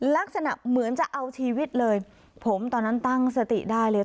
ลักษณะเหมือนจะเอาชีวิตเลยผมตอนนั้นตั้งสติได้เลย